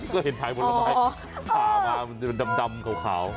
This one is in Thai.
ก็เห็นภายบนแล้วไหมหามาดำขาว